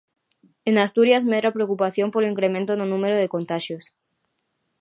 En Asturias medra a preocupación polo incremento no número de contaxios.